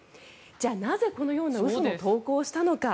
じゃあ、なぜこのような嘘を投稿したのか。